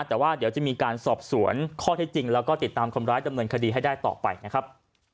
แต่ว่าเดี๋ยวจะมีการสอบสวนข้อเท็จจริงแล้วก็ติดตามคนร้ายดำเนินคดีให้ได้ต่อไปนะครับ